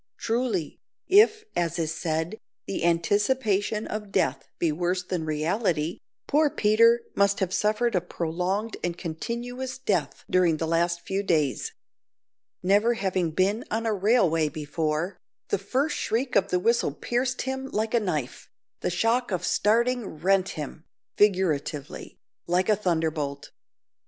Truly, if, as is said, the anticipation of death be worse than the reality, poor Peter must have suffered a prolonged and continuous death during the last few days. Never having been on a railway before, the first shriek of the whistle pierced him like a knife, the shock of starting rent him, (figuratively), like a thunderbolt.